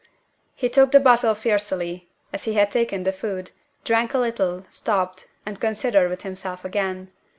He took the bottle fiercely, as he had taken the food, drank a little, stopped, and considered with himself again.